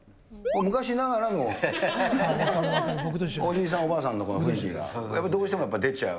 昔ながらのおじいさん、おばあさんの空気が、やっぱりどうしても出ちゃう。